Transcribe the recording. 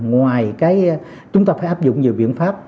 ngoài chúng ta phải áp dụng nhiều biện pháp